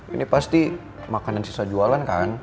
ini pasti makanan sisa jualan kan